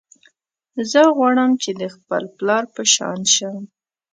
زه غواړم چې د خپل پلار په شان شم